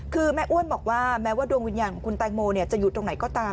คือแม่อ้วนบอกว่าแม้ว่าดวงวิญญาณของคุณแตงโมจะอยู่ตรงไหนก็ตาม